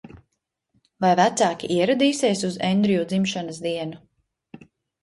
Vai vecāki ieradīsies uz Endrjū dzimšanas dienu?